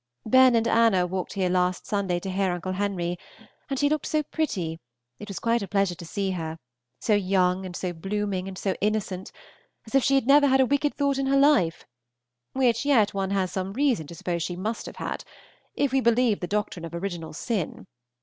Ben and Anna walked here last Sunday to hear Uncle Henry, and she looked so pretty, it was quite a pleasure to see her, so young and so blooming and so innocent, as if she had never had a wicked thought in her life, which yet one has some reason to suppose she must have had, if we believe the doctrine of original sin.